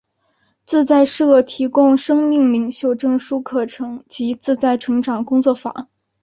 自在社提供生命领袖证书课程及自在成长工作坊。